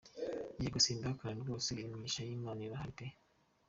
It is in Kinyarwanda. Yego simbihakana rwose imigisha y’Imana irahari pe.